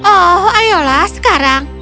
oh ayolah sekarang